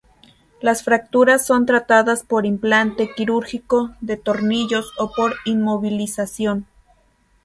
Las fracturas son tratadas por implante quirúrgico de tornillos, o por inmovilización.